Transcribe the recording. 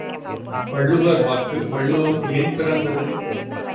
வள்ளுவர் வாக்கு வள்ளுவம் ஏன் பிறந்தது?